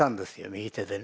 右手でね。